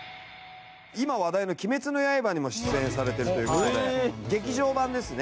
今話題の『鬼滅の刃』にも出演されているという事で劇場版ですね。